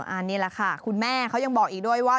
อันนี้แหละค่ะคุณแม่เขายังบอกอีกด้วยว่า